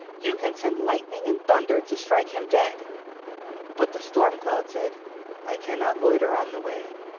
You can send lightning and thunder to strike him dead." But the Storm Cloud said, "I cannot loiter on the way.